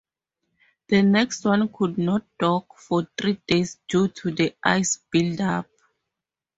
The next one could not dock for three days due to the ice buildup.